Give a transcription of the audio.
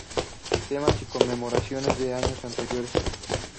Temas y conmemoraciones de años anteriores